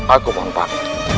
aku bangun pak